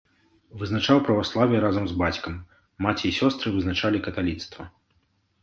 Вызначаў праваслаўе разам з бацькам, маці і сёстры вызначалі каталіцтва.